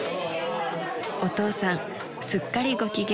［お父さんすっかりご機嫌］